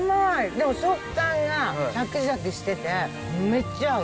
でも食感がシャキシャキしててメッチャ合う。